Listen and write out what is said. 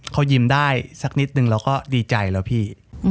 เขายิ้มได้สักนิดนึงเราก็ดีใจแล้วพี่